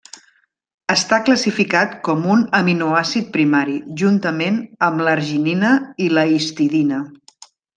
Està classificat com un aminoàcid primari juntament amb l'arginina i la histidina.